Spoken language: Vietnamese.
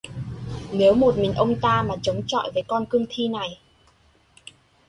Nếu một mình ông ta mà chống chọi với con cương thi này